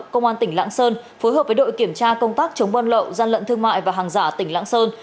công an tỉnh lạng sơn phối hợp với đội kiểm tra công tác chống buôn lậu gian lận thương mại và hàng giả tỉnh lãng sơn